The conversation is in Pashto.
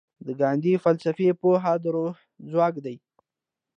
د ګاندي فلسفي پوهه د روح ځواک دی.